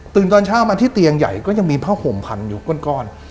ตอนเช้ามาที่เตียงใหญ่ก็ยังมีผ้าห่มพันอยู่ก้อน